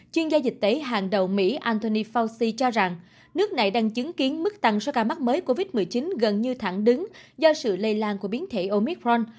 chuyên gia dịch tễ hàng đầu mỹ antony fauci cho rằng nước này đang chứng kiến mức tăng số ca mắc mới covid một mươi chín gần như thẳng đứng do sự lây lan của biến thể omithron